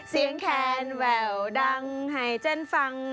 เสียงแครนแววดังให้เจ้านฟ้าง